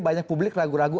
banyak publik ragu ragu